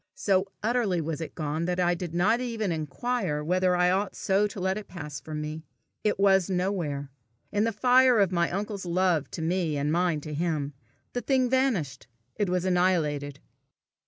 So utterly was it gone, that I did not even inquire whether I ought so to let it pass from me. It was nowhere. In the fire of my uncle's love to me and mine to him, the thing vanished. It was annihilated.